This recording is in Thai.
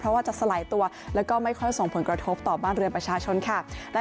เพราะว่าจะสลายตัวแล้วก็ไม่ค่อยส่งผลกระทบต่อบ้านเรือนประชาชนค่ะ